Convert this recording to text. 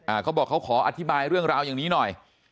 เขาบอกเขาขออธิบายเรื่องราวอย่างนี้หน่อย